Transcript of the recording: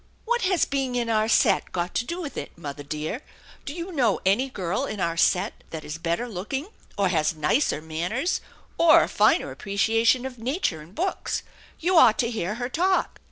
" What has being in our set got to do with it, mother dear ? Do you know any girl in our set that is better looking or has nicer manners, or a finer appreciation of nature and books? You ought to hear her talk